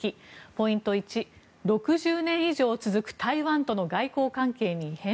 ポイント１、６０年以上続く台湾との外交関係に異変？